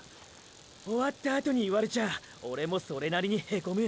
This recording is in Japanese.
終わったあとに言われちゃあオレもそれなりにへこむ。